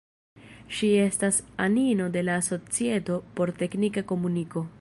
Ŝi estas anino de la Societo por Teknika Komuniko.